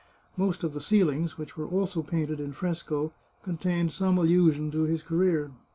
Most of the ceilings, which were also painted in fresco, con tained some allusion to his career.